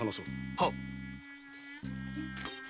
はっ。